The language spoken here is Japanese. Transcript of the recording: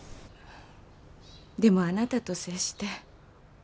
でもあなたと接して。